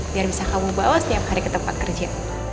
biar bisa kamu bawa setiap hari ke tempat kerja